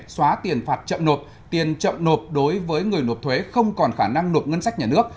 xóa tiền phạt chậm nộp tiền chậm nộp đối với người nộp thuế không còn khả năng nộp ngân sách nhà nước